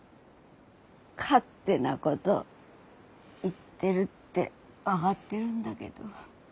勝手なごど言ってるって分がってるんだけど。